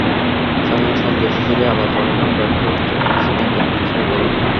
শামীম ওসমান দেশে ফিরে আবার প্রশাসন, ব্যবসা-বাণিজ্য সবকিছুর নিয়ন্ত্রণ নিতে শুরু করেন।